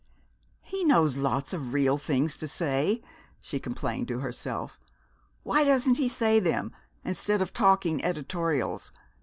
"He knows lots of real things to say," she complained to herself, "why doesn't he say them, instead of talking editorials?